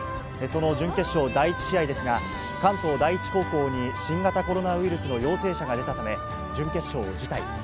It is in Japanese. その準決勝第１試合ですが、関東第一高校に新型コロナウイルスの陽性者が出たため、準決勝を辞退。